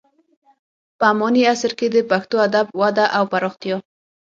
په اماني عصر کې د پښتو ادب وده او پراختیا.